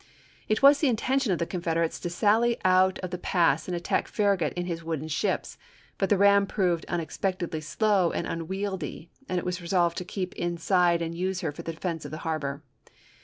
It was the intention of the Confederates to sally out of the pass and attack Farragut in his wooden ships, but the ram proved unexpectedly slow and unwieldy and it was re solved to keep inside and use her for the defense of the harbor.